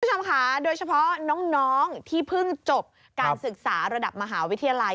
คุณผู้ชมค่ะโดยเฉพาะน้องที่เพิ่งจบการศึกษาระดับมหาวิทยาลัย